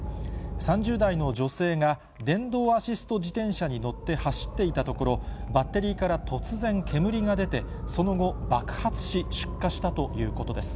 ３０代の女性が電動アシスト自転車に乗って走っていたところ、バッテリーから突然煙が出て、その後、爆発し出火したということです。